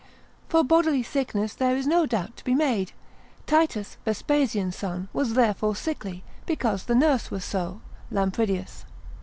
For bodily sickness there is no doubt to be made. Titus, Vespasian's son, was therefore sickly, because the nurse was so, Lampridius.